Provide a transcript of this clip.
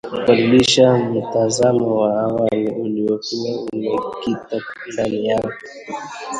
kubadilisha mtazamo wa awali uliokuwa umekita ndani yako